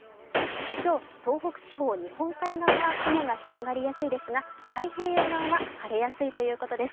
今日、東北地方日本海側は雲が広がりやすいですが太平洋側は晴れやすいということです。